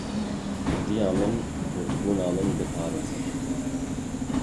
Kurdiya min kurdbûna min diparêze.